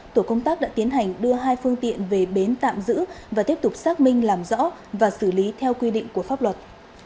tổ công tác đã tiến hành đưa hai phương tiện về bến tạm giữ và tiếp tục xác minh làm rõ và xử lý theo quy định của pháp luật